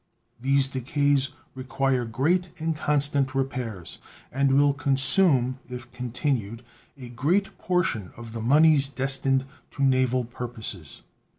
These decays require great and constant repairs, and will consume, if continued, a great portion of the moneys destined to naval purposes.